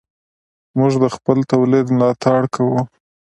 موږ د خپل تولید ملاتړ کوو.